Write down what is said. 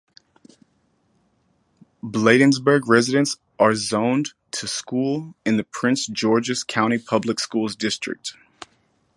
Bladensburg residents are zoned to schools in the Prince George's County Public Schools district.